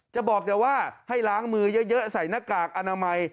จะบอกแต่ว่าให้ล้างมือเยอะใส่หน้ากากอนามัย